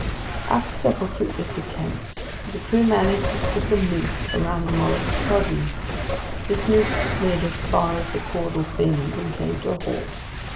After several fruitless attempts, the crew managed to slip a noose around the mollusk's body. This noose slid as far as the caudal fins and came to a halt.